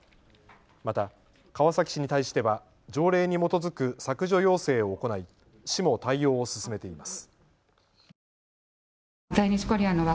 また川崎市に対しては条例に基づく削除要請を行い市も対応を進めています。